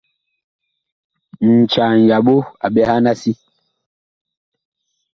Ncaa ŋyaɓo a ɓɛhan a si.